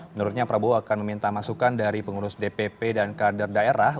menurutnya prabowo akan meminta masukan dari pengurus dpp dan kader daerah